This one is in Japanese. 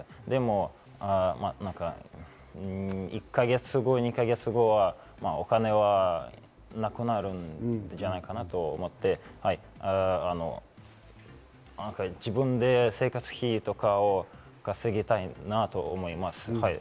でも１か月後、２か月後はお金はなくなるんじゃないかなと思って、自分で生活費とかを稼ぎたいなと思います。